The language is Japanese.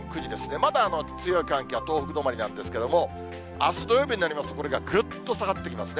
まだ強い寒気は東北止まりなんですけども、あす土曜日になりますと、これがぐっと下がってきますね。